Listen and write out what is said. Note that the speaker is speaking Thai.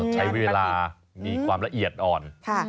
ใช้เวลามีความละเอียดอ่อน